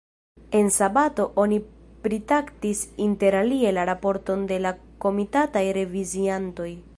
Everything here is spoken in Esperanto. En sabato oni pritraktis interalie la raporton de la komitataj reviziantoj.